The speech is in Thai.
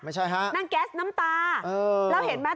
ไม่ใช่ค่ะแก๊สน้ำตาเราเห็นไหม